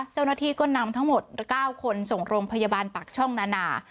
เจ้าหน้าที่ก็นำทั้งหมด๙คนส่งโรงพยาบาลปากช่องนานา